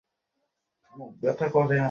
আমার বাবা গুরুর ড্রাইভার ছিলো।